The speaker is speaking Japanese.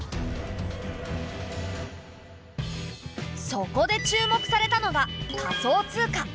そこで注目されたのが仮想通貨。